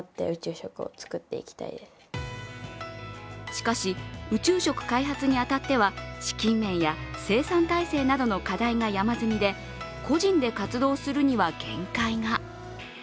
しかし、宇宙食開発に当たっては資金面や生産体制などの課題が山積みで個人で活動するには限界が。